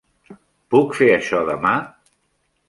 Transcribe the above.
Puc fer això demà?